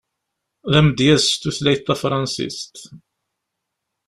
D amedyaz s tutlayt tafransist.